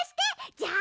じゃあ。